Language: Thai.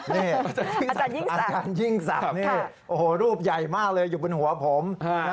นี่อาจารยิ่งศัตริย์เดียนว่าอาจารยิ่งศัตริย์เนี่ยโอ้โหรูปใหญ่มากเลยอยู่บนหัวผม